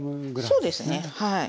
そうですねはい。